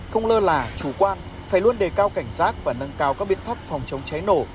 không lơ là chủ quan phải luôn đề cao cảnh giác và nâng cao các biện pháp phòng chống cháy nổ